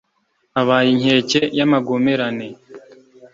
Abaye inkeke y’amagomerane.